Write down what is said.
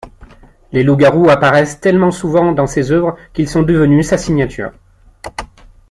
Les loups-garous apparaissent tellement souvent dans ses œuvres qu'ils sont devenus sa signature.